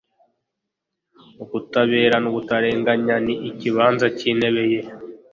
ubutabera n’ubutarenganya ni ikibanza cy’intebe ye